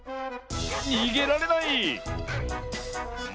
にげられない！